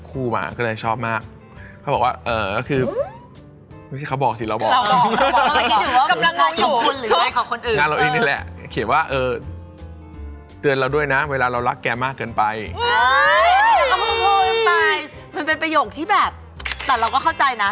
สมมติที่ผมติดตามละครไม่ได้แบบเด็ก